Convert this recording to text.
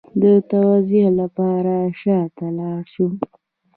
د توضیح لپاره شا ته لاړ شو